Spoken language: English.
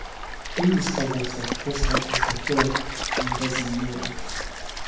He discovers that Kessler is the killer and doesn't know it.